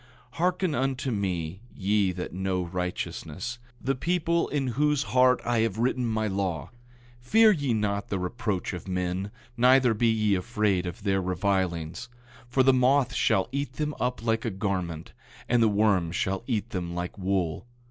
8:7 Hearken unto me, ye that know righteousness, the people in whose heart I have written my law, fear ye not the reproach of men, neither be ye afraid of their revilings. 8:8 For the moth shall eat them up like a garment, and the worm shall eat them like wool.